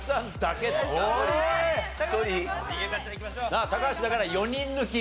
さあ高橋だから４人抜き。